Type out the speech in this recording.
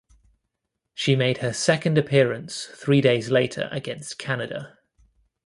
She made her second appearance three days later against Canada.